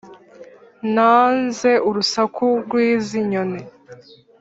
Nanze urusaku rwizi nyoni